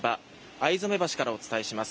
逢初橋からお伝えします。